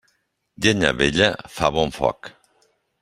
Llenya vella fa bon foc.